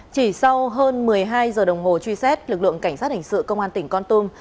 chỉ sau hơn một mươi hai giờ đồng hồ truy xét lực lượng cảnh sát hình sự công an tỉnh con tum